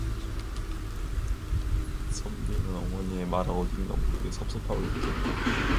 선비는 어머니의 말에 어딘가 모르게 섭섭함을 느꼈다.